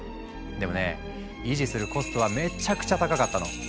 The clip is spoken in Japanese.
でもね維持するコストはめちゃくちゃ高かったの。